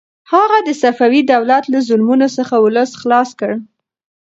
هغه د صفوي دولت له ظلمونو څخه ولس خلاص کړ.